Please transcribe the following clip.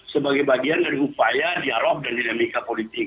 sebagai bagian dari upaya dialog dan dinamika politik